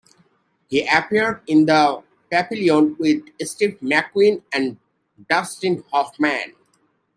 He appeared in "Papillon" with Steve McQueen and Dustin Hoffman.